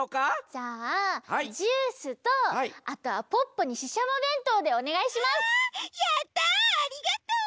じゃあジュースとあとはポッポにししゃもべんとうでおねがいします！わあ！やったありがとう！